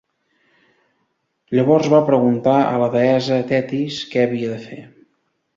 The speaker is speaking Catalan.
Llavors va preguntar a la deessa Tetis què havia de fer.